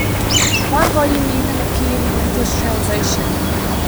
One volume even appeared in English translation.